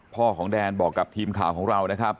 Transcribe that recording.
พ่อของแดนบอกกับทีมข่าวของเรานะครับ